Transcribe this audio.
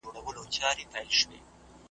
له ځالیو به راپورته داسي شخول سو .